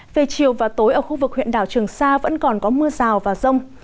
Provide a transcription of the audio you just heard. về chiều và tối ở khu vực huyện đảo trường sa vẫn còn có mưa rào và rông